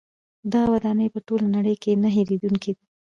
دغه ودانۍ په ټوله نړۍ کې نه هیریدونکې دي.